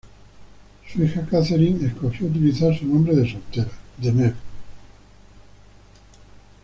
Su hija Catherine escogió utilizar su nombre soltera, Deneuve, cuando su nombre de etapa.